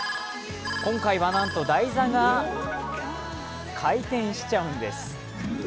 今回はなんと台座が回転しちゃうんです。